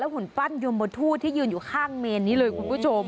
หุ่นปั้นยมทูตที่ยืนอยู่ข้างเมนนี้เลยคุณผู้ชม